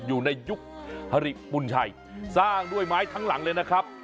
อยู่ในยุคฮริปุญชัยสร้างด้วยไม้ทั้งหลังเลยนะครับ